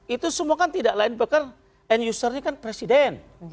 itu semua kan tidak lain bahkan end user nya kan presiden